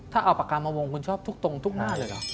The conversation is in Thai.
ถ้าเอาปากกามาวงคุณชอบทุกตรงทุกหน้าเลยเหรอ